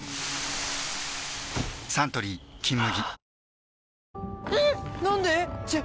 サントリー「金麦」